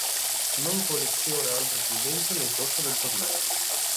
Non colleziona altre presenze nel corso del torneo.